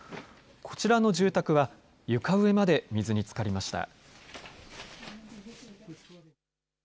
こちらの住宅は床上まで水につかりました。